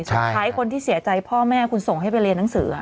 สุดท้ายคนที่เสียใจพ่อแม่คุณส่งให้ไปเรียนหนังสือ